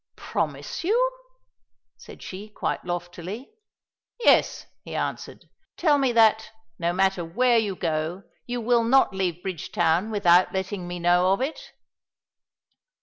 "Promise you!" said she, quite loftily. "Yes," he answered; "tell me that, no matter where you go, you will not leave Bridgetown without letting me know of it?"